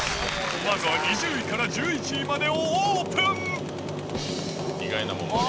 まずは２０位から１１位までをオープン。